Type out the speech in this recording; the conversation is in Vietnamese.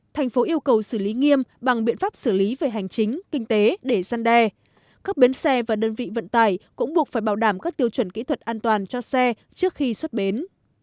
thành phố yêu cầu xử lý nghiêm bằng biện pháp xử lý về hành chính kinh tế để gian đe các bến xe và đơn vị vận tải cũng buộc phải bảo đảm các tiêu chuẩn kỹ thuật an toàn cho xe trước khi xuất bến